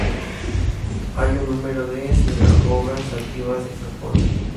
Hay un número de sinagogas activas en Japón.